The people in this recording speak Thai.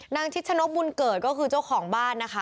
นางชิดชะนบบุญเกิดก็คือเจ้าของบ้าน